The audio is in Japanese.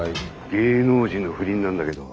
芸能人の不倫なんだけど。